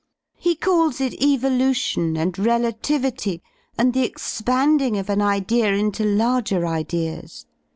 He calls it evolution and relativity and the expanding of an idea into larger ideas.